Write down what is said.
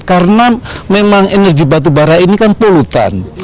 karena memang energi batubara ini kan polutan